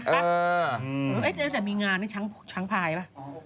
โดยไม่ได้อาจจะมีงานช้างพลายป่ะ